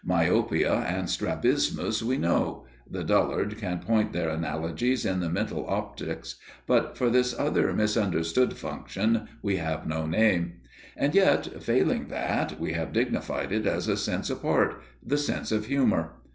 Myopia and strabismus we know; the dullard can point their analogies in the mental optics, but for this other misunderstood function we have no name; and yet, failing that, we have dignified it as a sense apart the sense of humour.